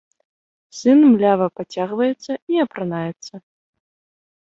Сын млява пацягваецца і апранаецца.